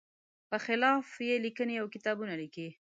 په خلاف یې لیکنې او کتابونه لیکي.